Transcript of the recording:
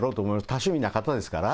多趣味な方ですから。